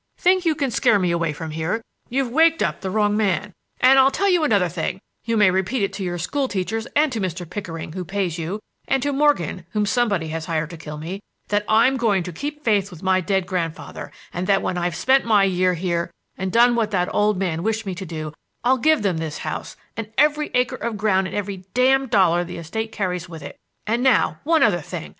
—think you can scare me away from here, you've waked up the wrong man, and I'll tell you another thing,—and you may repeat it to your school teachers and to Mr. Pickering, who pays you, and to Morgan, whom somebody has hired to kill me,—that I'm going to keep faith with my dead grandfather, and that when I've spent my year here and done what that old man wished me to do, I'll give them this house and every acre of ground and every damned dollar the estate carries with it. And now one other thing!